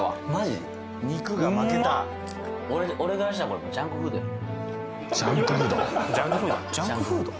ジャンクフード？